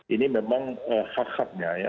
ini memang hak haknya ya